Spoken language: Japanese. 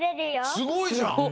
すごいじゃん！